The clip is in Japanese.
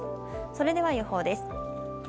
それでは予報です。